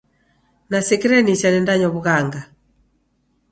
Nasikire nicha nendanywa w'ughanga.